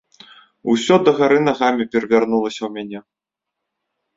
Усё дагары нагамі перавярнулася ў мяне.